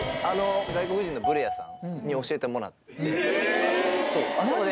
あの外国人のブレアさんに教えてもらって。